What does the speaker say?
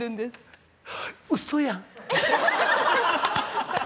うそやん！